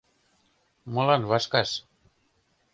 — Молан вашкаш.